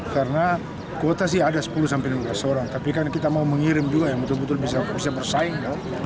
karena kuota sih ada sepuluh lima belas orang tapi kan kita mau mengirim juga yang betul betul bisa bersaing